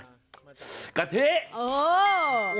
คนใจน่ะกะเทะเออ